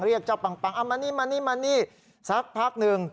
เรียกเจ้าปังปังเอามานี่สักพักหนึ่ง